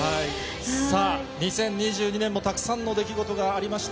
さあ、２０２２年もたくさんの出来事がありました。